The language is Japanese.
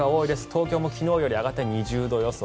東京も昨日より上がって２０度予想。